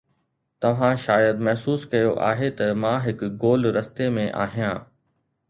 توهان شايد محسوس ڪيو آهي ته مان هڪ گول رستي ۾ آهيان